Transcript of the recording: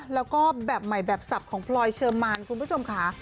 แล้วก็แบบใหม่แบบสับของพลอยเชอร์มานคุณผู้ชมค่ะ